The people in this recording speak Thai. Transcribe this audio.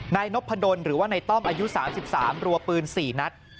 นายนพดลหรือว่านายต้อมอายุ๓๓รัวปืน๔นัด